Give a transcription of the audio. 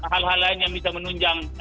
hal hal lain yang bisa menunjang